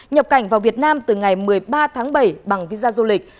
nhập cảnh vào việt nam từ ngày một mươi ba tháng bảy bằng visa du lịch